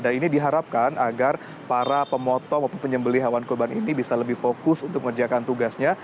dan ini diharapkan agar para pemotong dan penyembelihan hewan kurban ini bisa lebih fokus untuk mengerjakan tugasnya